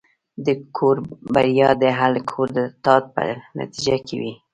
د کور بریا د اهلِ کور د اتحاد په نتیجه کې وي.